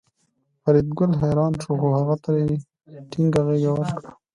فریدګل حیران شو خو هغه ته یې ټینګه غېږه ورکړه